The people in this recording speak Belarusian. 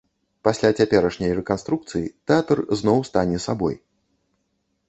Пасля цяперашняй рэканструкцыі тэатр зноў стане сабой.